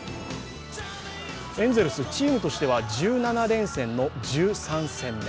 エンゼルス、チームとしては１７連戦の１３戦目。